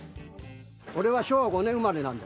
俺は昭和５年生まれなんだ。